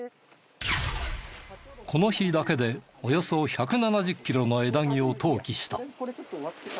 この日だけでおよそ１７０キロの枝木を投棄した。